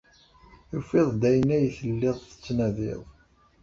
Tufiḍ-d ayen ay telliḍ tettnadiḍ.